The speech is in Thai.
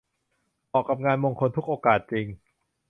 เหมาะกับงานมงคลทุกโอกาสจริง